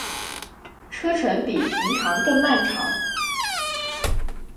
车程比平常更漫长